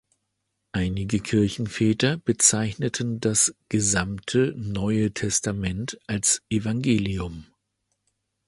Einige Kirchenväter bezeichneten das "gesamte" Neue Testament als Evangelium.